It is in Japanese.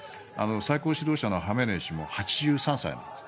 最高指導者のハメネイ師も８３歳なんです。